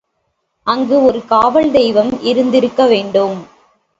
அங்கு ஒரு காவல் தெய்வம் இருந்திருக்க வேண்டும்.